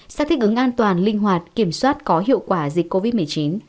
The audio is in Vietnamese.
sẽ thích ứng an toàn linh hoạt kiểm soát có hiệu quả dịch covid một mươi chín